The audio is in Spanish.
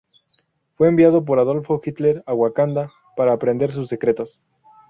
Fue enviado por Adolf Hitler a Wakanda para aprender sus secretos.